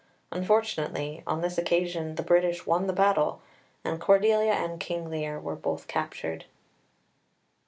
Unfortunately, on this occasion the British won the battle, and Cordelia and King Lear were both captured.